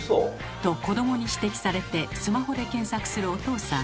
と子どもに指摘されてスマホで検索するお父さん。